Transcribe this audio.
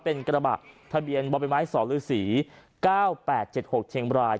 เป็นกระบะทะเบียนบมศฤษี๙๘๗๖เทียงบราย